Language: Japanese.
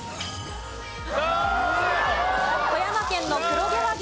富山県の黒毛和牛。